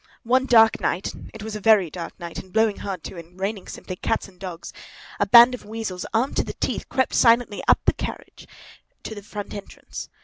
One dark night—it was a very dark night, and blowing hard, too, and raining simply cats and dogs—a band of weasels, armed to the teeth, crept silently up the carriage drive to the front entrance.